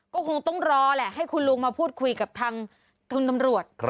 ก็คงต้องรอแหละให้คุณลุงมาพูดคุยกับทางคุณตำรวจ